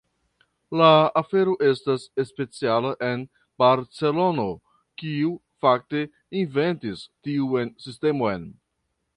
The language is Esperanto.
La afero estas speciala en Barcelono, kiu fakte “inventis” tiun sistemon.